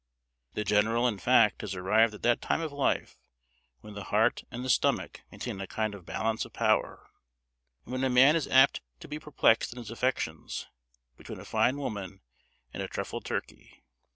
The general, in fact, has arrived at that time of life when the heart and the stomach maintain a kind of balance of power; and when a man is apt to be perplexed in his affections between a fine woman and a truffled turkey.